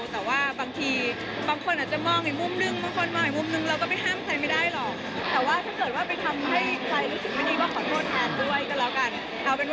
แต่ว่าบางทีบางคนอาจจะมองอีกมุมนึง